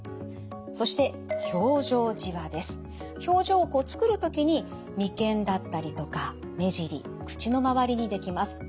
そして表情をつくる時に眉間だったりとか目尻口の周りにできます。